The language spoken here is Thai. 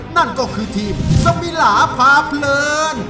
นั่นก็คือทีมสมิลาพาเพลิน